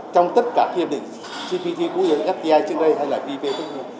trong tất cả hiệp định cpt cũng như là sti trước đây hay là vp trước đây